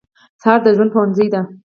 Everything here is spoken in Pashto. سهار د ژوند پوهنځی دی.